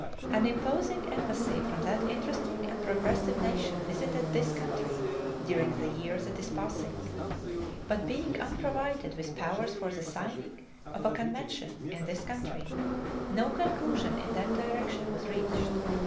An imposing embassy from that interesting and progressive nation visited this country during the year that is passing, but, being unprovided with powers for the signing of a convention in this country, no conclusion in that direction was reached.